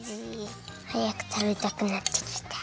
はやくたべたくなってきた。